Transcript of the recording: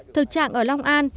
thực trạng ở long an